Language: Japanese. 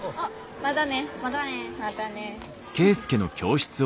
またね。